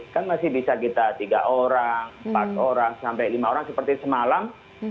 kan masih bisa kita tiga orang empat orang sampai lima orang seperti semalam